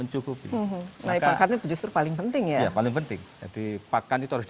untuk disharm itself yang pertama ini kita dx mixed dua puluh delapan tertanaman